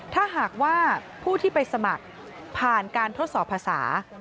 ถ้าหากว่าผู้ที่ไปสมัครผ่านการทดสอบภาษา